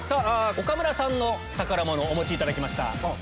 岡村さんの宝物お持ちいただきました。